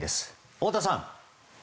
太田さん。